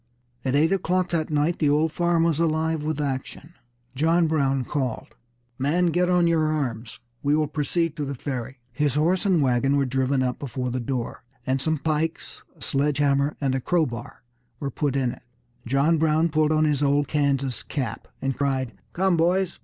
At eight o'clock that night the old farm was alive with action. John Brown called: "Men, get on your arms; we will proceed to the Ferry." His horse and wagon were driven up before the door, and some pikes, a sledge hammer, and a crowbar were put in it. John Brown pulled on his old Kansas cap, and cried: "Come, boys!"